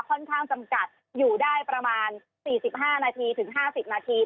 ข้อนข้างจำกัดอยู่ได้ประมาณ๔๕๕๐นาที